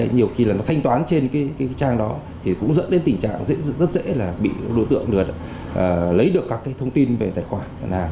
nhiều khi là nó thanh toán trên cái trang đó thì cũng dẫn đến tình trạng rất dễ là bị đối tượng lấy được các cái thông tin về tài khoản ngân hàng